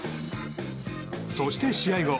そして試合後